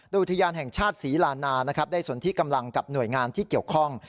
โดยอุทยานแห่งชาติศรีลานานะครับได้สนที่กำลังกับหน่วยงานที่เกี่ยวข้อง